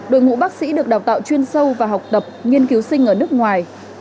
đội ngũ bác sĩ được đào tạo chuyên sâu và học tập nghiên cứu sinh ở nước ngoài